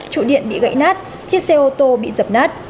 trụ điện bị gãy nát chiếc xe ô tô bị dập nát